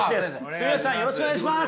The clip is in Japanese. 住吉さんよろしくお願いします。